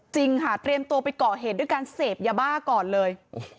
จริงค่ะเตรียมตัวไปก่อเหตุด้วยการเสพยาบ้าก่อนเลย